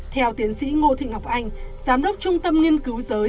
theo tiến sĩ ngô thị ngọc anh giám đốc trung tâm nghiên cứu giới